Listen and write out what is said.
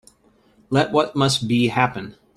Let what must be, happen.